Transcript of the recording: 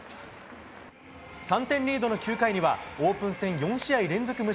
３点リードの９回にはオープン戦、４試合連続